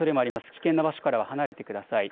危険な場所から離れてください。